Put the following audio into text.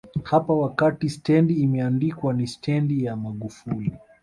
hapa wakati stendi imeandikwa ni Stendi ya Magufuli